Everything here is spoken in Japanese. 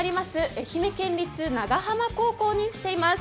愛媛県立長浜高校に来ています。